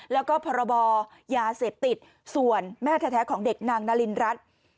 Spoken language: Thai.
แล้วก็พรบยาเสพติดส่วนแม่แท้ของเด็กนางนารินรัฐ